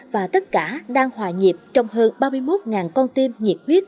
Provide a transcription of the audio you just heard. và tất cả đang hòa nhịp trong hơn ba mươi một con tim nhiệt huyết